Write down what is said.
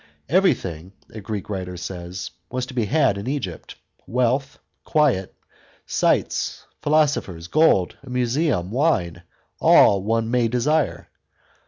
Every thing, a Greek writer says,* was to be had in E ypt, wealth, quiet, sights, philosophers, gold, a Museum, wine, all one may desire